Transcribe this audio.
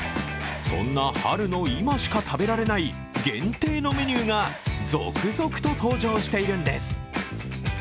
そんな春の今しか食べられない限定のメニューが続々と登場しているんです。